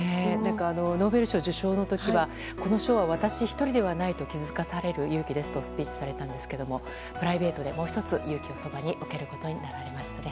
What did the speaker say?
ノーベル賞受賞の時はこの賞は私１人ではないと気づかされる勇気ですとスピーチされたんですがプライベートでもう１つ勇気を受けられることになりましたね。